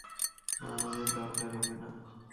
না, আমাদের দরকার হবে না।